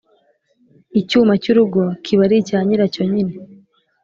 Icyuma cy urugo kiba ari icya nyiracyo nyine